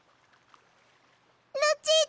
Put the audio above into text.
ルチータ！